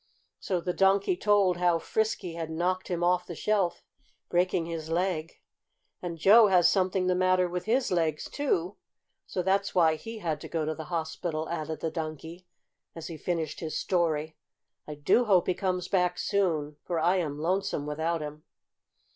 So the Donkey told how Frisky had knocked him off the shelf, breaking his leg. "And Joe had something the matter with his legs, too, so that's why he had to go to the hospital," added the Donkey, as he finished his story. "I do hope he comes back soon, for I am lonesome without him."